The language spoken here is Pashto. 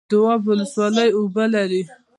د دواب ولسوالۍ اوبه لري